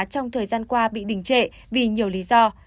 trong thời gian qua bị đình trệ vì nhiều lý do